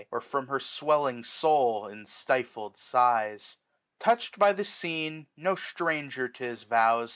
Or from her swelling soul in stifled sighs. 1280 Touch'd by the scene, no stranger to his vows.